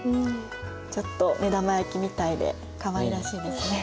ちょっと目玉焼きみたいでかわいらしいですね。